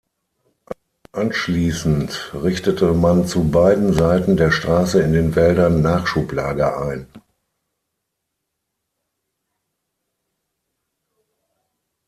Anschließend richtete man zu beiden Seiten der Straße in den Wäldern Nachschublager ein.